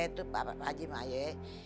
itu pak haji pak ye